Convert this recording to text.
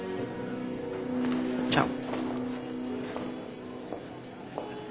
じゃあね。